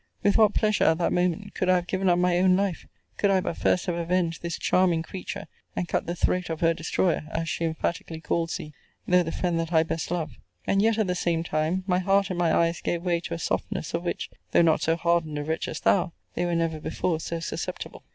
With what pleasure, at that moment, could I have given up my own life, could I but first have avenged this charming creature, and cut the throat of her destroyer, as she emphatically calls thee, though the friend that I best love: and yet, at the same time, my heart and my eyes gave way to a softness of which (though not so hardened a wretch as thou) they were never before so susceptible.